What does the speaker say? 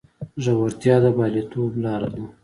زړورتیا د بریالیتوب لاره ده.